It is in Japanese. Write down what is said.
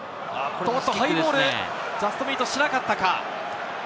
ハイボール、ジャストミートしなかったか。